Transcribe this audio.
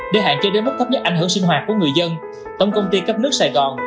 để hạn chế đến mức thấp nhất ảnh hưởng sinh hoạt của người dân tổng công ty cấp nước sài gòn